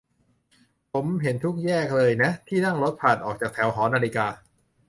ผมเห็นทุกแยกเลยนะ ที่นั่งรถผ่าน ออกจากแถวหอนาฬิกา